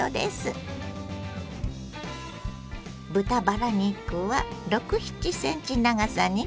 豚バラ肉は６７ｃｍ長さに切ります。